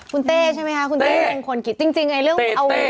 คุณเต้ใช่ไหมคะคุณเต้มงคลกิจจริงไอ้เรื่องเอา